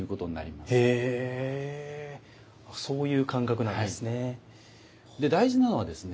へぇそういう感覚なんですね。